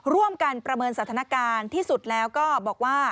ประเมินสถานการณ์ที่สุดแล้วก็บอกว่า